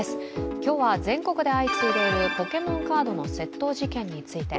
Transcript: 今日は全国で相次いでいるポケモンカードの窃盗事件について。